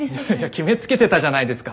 決めつけてたじゃないですか。